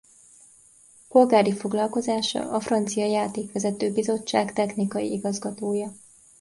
Polgári foglalkozása a francia Játékvezető Bizottság technikai igazgatója.